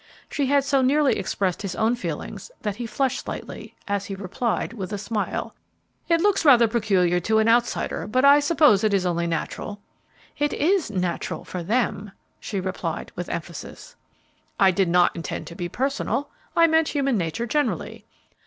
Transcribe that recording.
She had so nearly expressed his own feelings that he flushed slightly, as he replied, with a smile, "It looks rather peculiar to an outsider, but I suppose it is only natural." "It is natural for them," she replied, with emphasis. "I did not intend to be personal; I meant human nature generally."